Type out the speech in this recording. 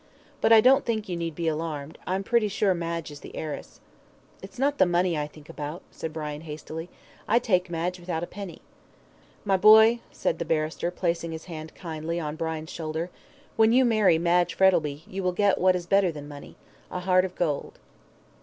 But I don't think you need be alarmed, I'm pretty sure Madge is the heiress." "It's not the money I think about," said Brian, hastily. "I'd take Madge without a penny." "My boy," said the barrister, placing his hand kindly on Brian's shoulder, "when you marry Madge Frettlby, you will get what is better than money a heart of gold."